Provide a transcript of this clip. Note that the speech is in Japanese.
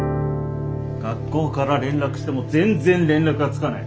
学校から連絡しても全然連絡がつかない。